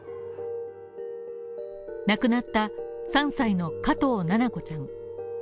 亡くなった３歳の加藤七菜子ちゃん。